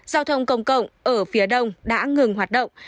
giao thông công cộng ở phía đông đã ngừng hoạt động